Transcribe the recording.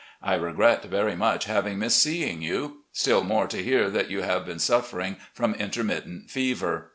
I regret very much having missed seeing you — still more to hear that you have been suffering from intermittent fever.